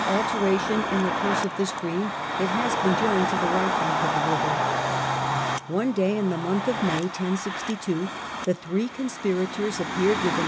6i alteration in the course of the stream it has been joined to the right bank of the river. One day, in the month of May, the three conspirators appeared with a A.